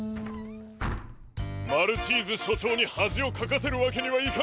マルチーズしょちょうにはじをかかせるわけにはいかない！